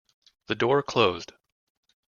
The door closed.